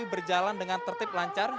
berjalan dengan tertib lancar